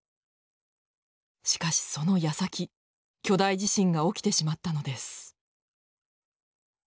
しかしそのやさき巨大地震が起きてしまったのです。